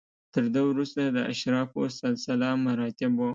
تر ده وروسته د اشرافو سلسله مراتب و